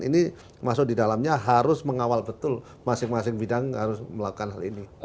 ini masuk di dalamnya harus mengawal betul masing masing bidang harus melakukan hal ini